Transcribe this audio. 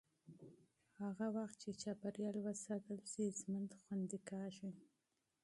هغه مهال چې چاپېریال وساتل شي، ژوند خوندي کېږي.